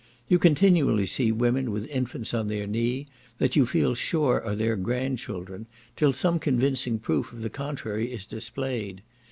You continually see women with infants on their knee, that you feel sure are their grand children, till some convincing proof of the contrary is displayed.